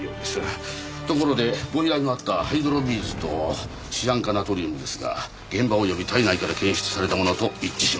ところでご依頼のあったハイドロビーズとシアン化ナトリウムですが現場及び体内から検出されたものと一致しました。